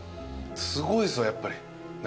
すごいっすわやっぱり。